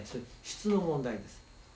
質の問題です。